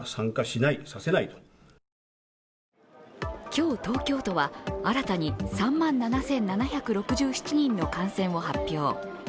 今日、東京都は新たに３万７７６７人の感染を発表。